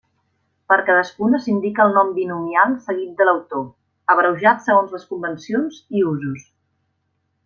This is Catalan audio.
Per cadascuna s'indica el nom binomial seguit de l'autor, abreujat segons les convencions i usos.